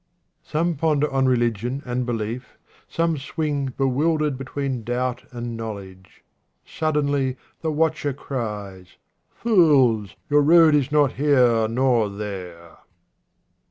Some ponder on religion and belief, some swing bewildered between doubt and know ledge. Suddenly the watcher cries, " Fools ! your road is not here nor there."